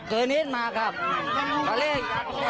เกินเทศมาครับขอเรียก